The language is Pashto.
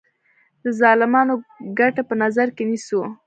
د ظالمانو ګټې په نظر کې نیسو.